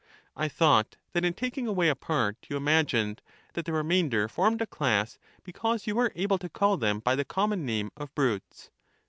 I thought that in taking away a part, you imagined that the remainder formed a class, because you were able to call them by the common name of brutes.